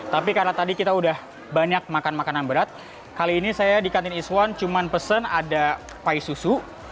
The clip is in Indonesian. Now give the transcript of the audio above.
tapi karena tadi kita udah banyak makan makanan berat kali ini saya di kantin iswan cuma pesen ada pay susu